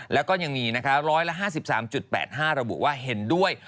แล้วก็ยังมีนะคะ๑๕๓๘๕ระบุว่าเห็นด้วย